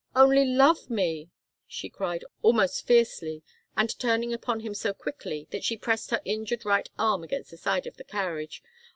"Only love me!" she cried, almost fiercely, and turning upon him so quickly that she pressed her injured right arm against the side of the carriage.